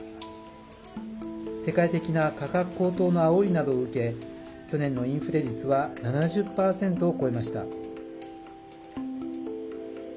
世界的な価格高騰のあおりなどを受け去年のインフレ率は７０％を超えました。